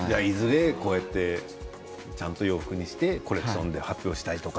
ちゃんと洋服にしてコレクションで発表したいとか。